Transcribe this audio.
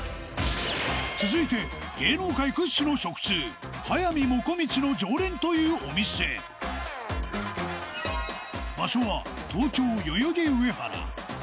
続いて芸能界屈指の食通速水もこみちの常連というお店場所は東京代々木上原